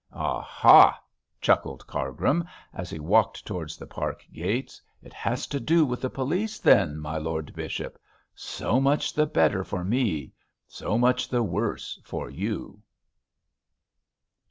'Aha!' chuckled Cargrim, as he walked towards the park gates, 'it has to do with the police, then, my lord bishop. So much the better for me, so much the worse for you.'